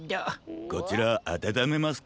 こちらあたためますか？